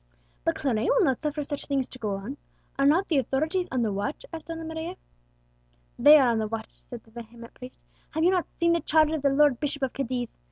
" "But Claret will not suffer such things to go on. Are not the authorities on the watch?" asked Donna Maria. "They are on the watch," said the vehement priest. "Have you not seen the charge of the Lord Bishop of Cadiz?